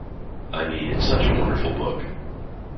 I mean it's such a wonderful book.